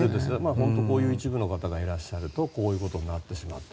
本当にこういう一部の人がいるとこういうことになってしまって。